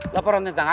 laporan tentang apa